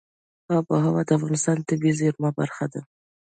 آب وهوا د افغانستان د طبیعي زیرمو برخه ده.